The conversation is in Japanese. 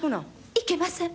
いけません。